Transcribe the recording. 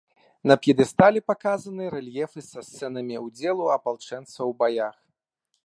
На п'едэстале паказаныя рэльефы са сцэнамі ўдзелу апалчэнцаў у баях.